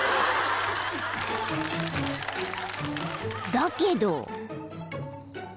［だけど］